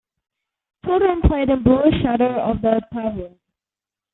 Children played in the bluish shadow of the pavilion.